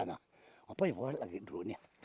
apa yang berlaku dulu